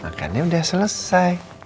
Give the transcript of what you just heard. makannya udah selesai